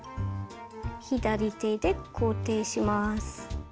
左手で固定します。